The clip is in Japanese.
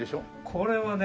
これはね。